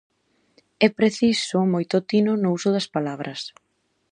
É preciso moito tino no uso das palabras.